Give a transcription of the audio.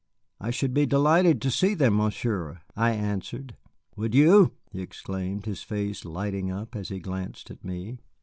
"I should be delighted to see them, Monsieur," I answered. "Would you?" he exclaimed, his face lighting up as he glanced at me.